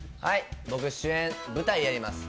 僕、主演、舞台やります。